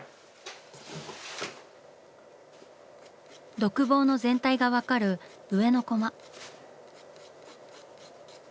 独房の全体が分かる上のコマ。